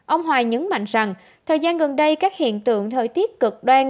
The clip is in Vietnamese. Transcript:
ông hoài nhấn mạnh rằng thời gian gần đây các hiện tượng thời tiết cực đoan